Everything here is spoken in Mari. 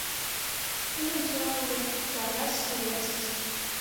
Тудын чыла уло, чылажат — шке верыштыже.